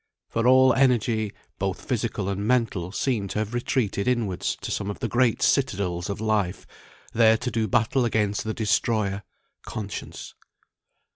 For all energy, both physical and mental, seemed to have retreated inwards to some of the great citadels of life, there to do battle against the Destroyer, Conscience.